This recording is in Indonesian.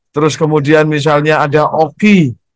terus kemudian misalnya ada oki